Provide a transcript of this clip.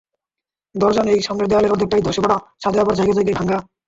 দরজা নেই, সামনের দেয়ালের অর্ধেকটাই ধসে পড়া, ছাদে আবার জায়গায় জায়গায় ভাঙা।